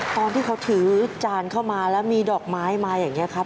ตอนที่เขาถือจานเข้ามาแล้วมีดอกไม้มาอย่างนี้ครับ